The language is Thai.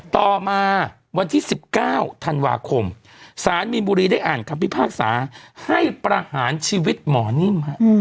ต่อมาวันที่๑๙ธันวาคมสารมีนบุรีได้อ่านคำพิพากษาให้ประหารชีวิตหมอนิ่ม